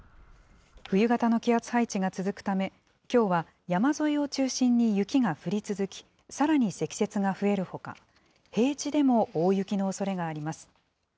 冬型の気圧配置が続くため、きょうは山沿いを中心に雪が降り続き、さらに積雪が増えるほか、平地でも大雪のおそれがあります。